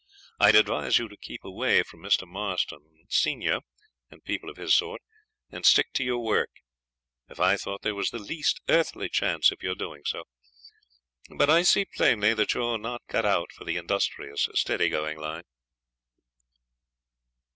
I'd advise you to keep away from Mr. Marston, sen., and people of his sort, and stick to your work, if I thought there was the least earthly chance of your doing so; but I see plainly that you're not cut out for the industrious, steady going line.'